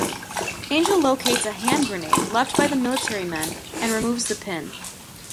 Angel locates a hand grenade left by the military men and removes the pin.